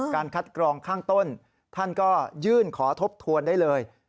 การคัดกรองข้างต้นท่านก็ยื่นขอทบทวนได้เลย